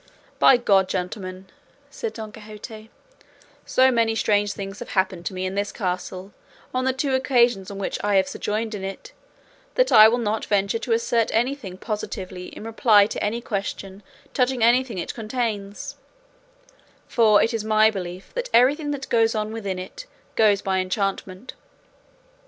"By God, gentlemen," said Don Quixote, "so many strange things have happened to me in this castle on the two occasions on which I have sojourned in it, that I will not venture to assert anything positively in reply to any question touching anything it contains; for it is my belief that everything that goes on within it goes by enchantment.